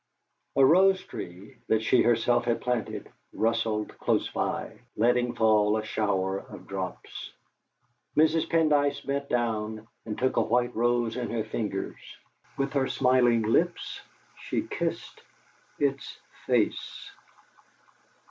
A rose tree, that she herself had planted, rustled close by, letting fall a shower of drops. Mrs. Pendyce bent down, and took a white rose in her fingers. With her smiling lips she kissed its face.